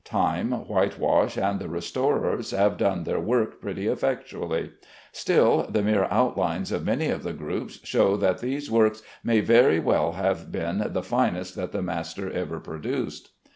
Time, whitewash, and the restorers, have done their work pretty effectually. Still, the mere outlines of many of the groups show that these works may very well have been the finest that the master ever produced.